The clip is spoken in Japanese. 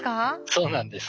そうなんです。